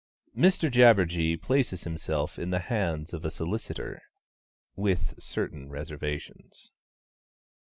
XXII _Mr Jabberjee places himself in the hands of a solicitor with certain reservations.